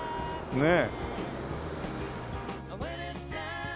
ねえ。